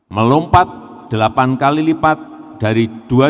melompat delapan kali lipat dari dua ribu dua puluh